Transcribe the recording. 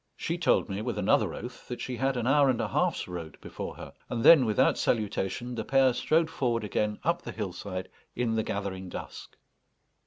She told me, with another oath, that she had an hour and a half's road before her. And then, without salutation, the pair strode forward again up the hillside in the gathering dusk.